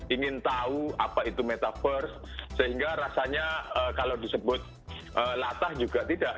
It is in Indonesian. ingin tahu apa itu metaverse sehingga rasanya kalau disebut latah juga tidak